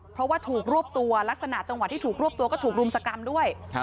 เพราะว่าถูกรวบตัวลักษณะจังหวะที่ถูกรวบตัวก็ถูกรุมสกรรมด้วย